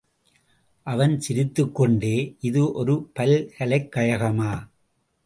அவன் சிரித்துக்கொண்டே, இது ஒரு பல்கலைக் கழகமா?